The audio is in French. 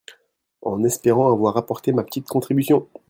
En espérant avoir apporté ma petite contribution